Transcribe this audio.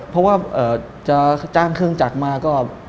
เพราะว่าจะจ้างเครื่องจักรมาก็